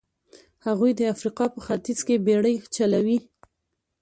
هغوی د افریقا په ختیځ کې بېړۍ چلولې.